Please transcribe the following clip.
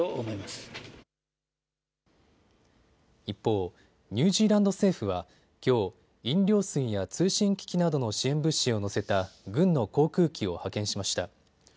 一方、ニュージーランド政府はきょう、飲料水や通信機器などの支援物資を載せた軍の航空機を派遣しました。